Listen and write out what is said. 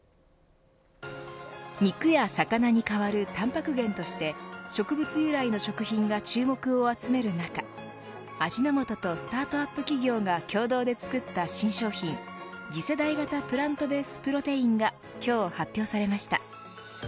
肉や魚に代わるタンパク源として植物由来の食品が注目を集める中味の素とスタートアップ企業が共同で作った新商品次世代型プラントベースプロテインが今日発表されました。